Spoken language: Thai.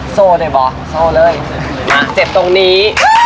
โซ่ได้บ่โซ่เลยเจ็บตรงนี้